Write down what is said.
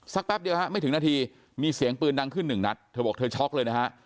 แป๊บเดียวฮะไม่ถึงนาทีมีเสียงปืนดังขึ้นหนึ่งนัดเธอบอกเธอช็อกเลยนะฮะ